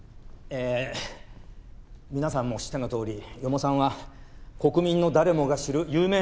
ええ皆さんも知ってのとおり四方さんは国民の誰もが知る有名なジャーナリストです。